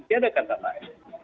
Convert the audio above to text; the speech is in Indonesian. tidak ada kata lain